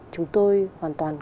chúng tôi hoàn toàn